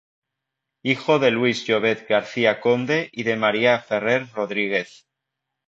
Hijo de Luis Llobet Garcia-Conde y de María Ferrer Rodríguez.